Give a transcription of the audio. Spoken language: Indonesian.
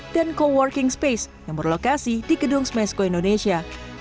dan coworking space yang berlokasi di gedung smasco indonesia